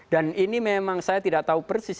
dan ini memang saya tidak tahu persis